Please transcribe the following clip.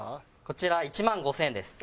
こちらは１万５０００円です。